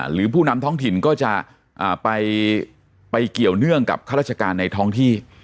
หรือผู้นำท้องถิ่นก็จะไปเกี่ยวเนื่องกับข้าราชการในท้องที่